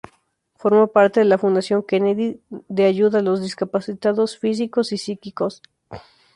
Formó parte de la "Fundación Kennedy" de ayuda a los discapacitados físicos y psíquicos.